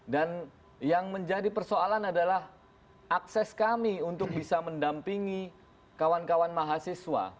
dan yang menjadi persoalan adalah akses kami untuk bisa mendampingi kawan kawan mahasiswa